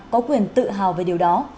có quyền tự hào về điều đó